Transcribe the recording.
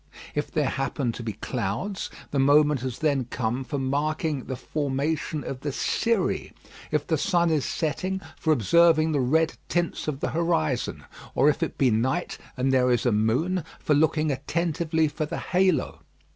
If there happen to be clouds, the moment has then come for marking the formation of the cirri; if the sun is setting, for observing the red tints of the horizon; or if it be night and there is a moon, for looking attentively for the halo.